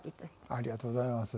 ありがとうございます。